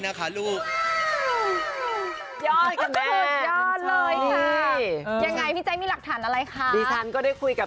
รักลูกนะคะ